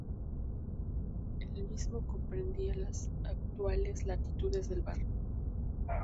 El mismo comprendía las actuales latitudes del barrio.